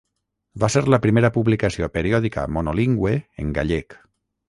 Va ser la primera publicació periòdica monolingüe en gallec.